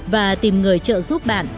và tìm người trợ giúp bạn